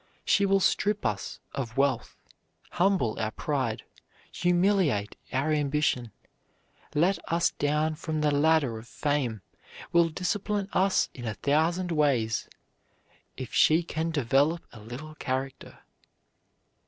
She will strip us of wealth, humble our pride, humiliate our ambition, let us down from the ladder of fame, will discipline us in a thousand ways, if she can develop a little character.